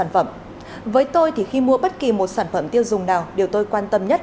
và mỗi mã số này sẽ đi theo